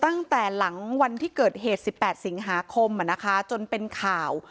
ตั้งแต่หลังวันที่เกิดเหตุ๑๘สิงหาคมจนเป็นข่าว